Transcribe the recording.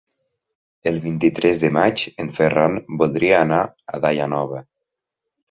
El vint-i-tres de maig en Ferran voldria anar a Daia Nova.